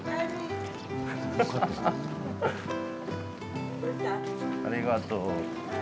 ありがとう。